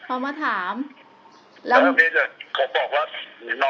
เขามาถามใช่ไหม